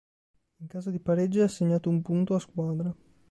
In caso di pareggio è assegnato un punto a squadra.